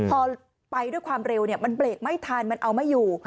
พอไปด้วยความเร็วมันเบรกไม่ทันมันเอาไม่อยู่